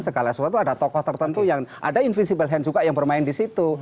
segala sesuatu ada tokoh tertentu yang ada invisible hand juga yang bermain di situ